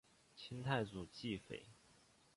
清太祖继妃。